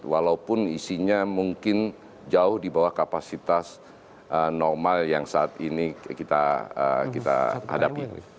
walaupun isinya mungkin jauh di bawah kapasitas normal yang saat ini kita hadapi